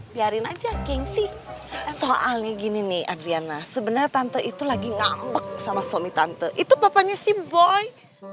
biarin aja king sih soalnya gini nih adriana sebenarnya tante itu lagi nambek sama suami tante itu papanya si boy